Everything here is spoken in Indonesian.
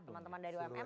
teman teman dari umm